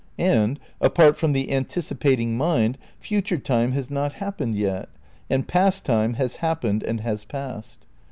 And, apart from the anticipating mind, future time has not happened yet, and past time has happened and has passed.